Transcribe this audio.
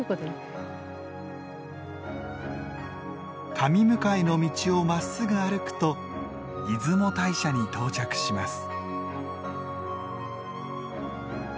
神迎の道をまっすぐ歩くと出雲大社に到着します。